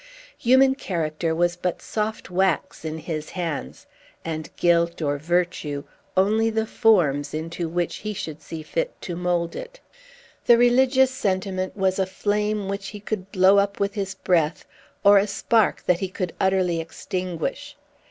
Human character was but soft wax in his hands; and guilt, or virtue, only the forms into which he should see fit to mould it. The religious sentiment was a flame which he could blow up with his breath, or a spark that he could utterly extinguish.